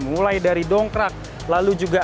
mulai dari dongkrak lalu juga